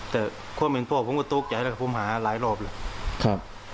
แต่พวกมันพวกมันก็ตุ๊กใหญ่แล้วครับพวกมันหาหลายรอบเลยครับ